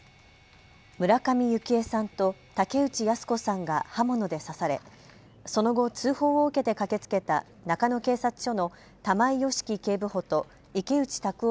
村上幸枝さんと竹内靖子さんが刃物で刺され、その後、通報を受けて駆けつけた中野警察署の玉井良樹警部補と池内卓夫